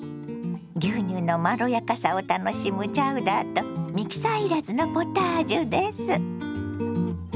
牛乳のまろやかさを楽しむチャウダーとミキサー要らずのポタージュです。